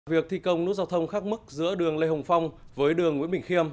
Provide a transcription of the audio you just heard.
việc thi công nút giao thông khác mức giữa đường lê hồng phong với đường nguyễn bình khiêm